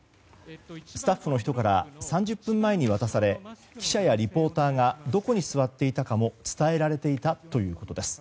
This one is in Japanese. スタッフの人から３０分前に渡され記者やリポーターがどこに座っていたかも伝えられていたということです。